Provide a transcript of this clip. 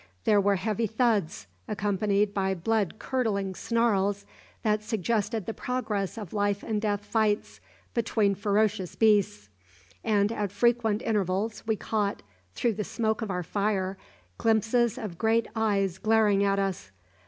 There were heavy thuds, accompanied by blood curdling snarls that suggested the progress of life and death fights between ferocious beasts; and at frequent intervals we caught, through the smoke of our fire, glimpses of great eyes glaring at us!